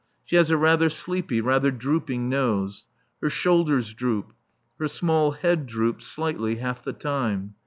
She has a rather sleepy, rather drooping nose. Her shoulders droop; her small head droops, slightly, half the time.